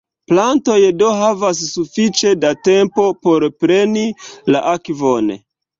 Plantoj do havas sufiĉe da tempo por preni la akvon.